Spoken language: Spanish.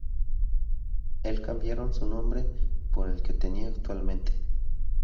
El cambiaron su nombre por el que tienen actualmente.